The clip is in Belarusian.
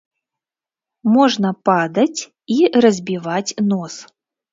Можна падаць і разбіваць нос.